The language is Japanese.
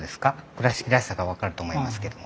倉敷らしさが分かると思いますけども。